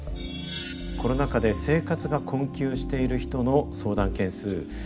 コロナ禍で生活が困窮している人の相談件数。